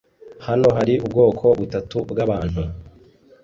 Hano hari ubwoko butatu bwabantu: